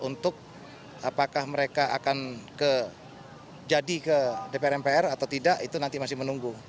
untuk apakah mereka akan jadi ke dpr mpr atau tidak itu nanti masih menunggu